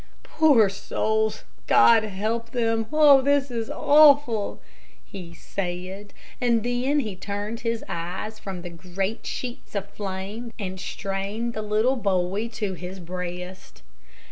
"Poor souls God help them. Oh, this is awful," he said; and then he turned his eyes from the great sheets of flame and strained the little boy to his breast.